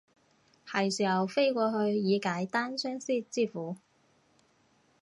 係時候飛過去以解單相思之苦